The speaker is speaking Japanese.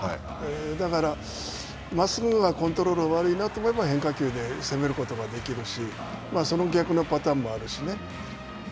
だから、まっすぐがコントロールが悪いなと思えば、変化球で攻めることができるし、その逆のパターンもあるしね。